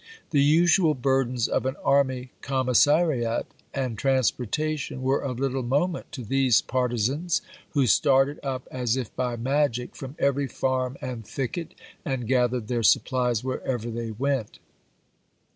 The usual burdens of an army commissariat and transportation were of little moment to these par tisans, who started up as if by magic from every farm and thicket, and gathered their supplies wher ever they went.